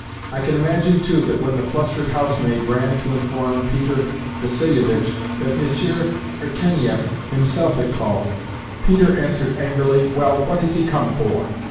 I can imagine, too, that when the flustered housemaid ran to inform Peter Vassilievitch that Monsieur Irtenieff himself had called, Peter answered angrily, "Well, what has he come for?"